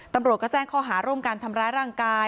ตำรวจก็แจ้งข้อหาร่วมกันทำร้ายร่างกาย